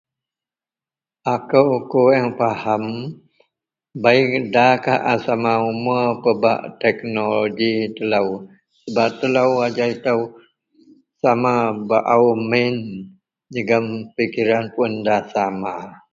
Akou kureang paham, bei ndakah a sama umuor pebak teknoloji telou sebab telou ajau itou, sama baou min jegem pikiran pun nda sama